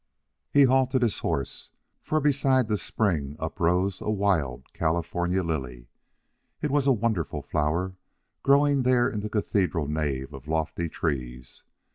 He halted his horse, for beside the spring uprose a wild California lily. It was a wonderful flower, growing there in the cathedral nave of lofty trees.